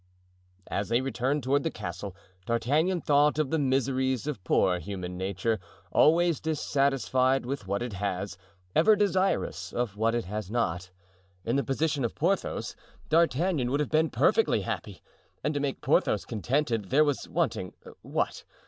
As they returned toward the castle, D'Artagnan thought of the miseries of poor human nature, always dissatisfied with what it has, ever desirous of what it has not. In the position of Porthos, D'Artagnan would have been perfectly happy; and to make Porthos contented there was wanting—what?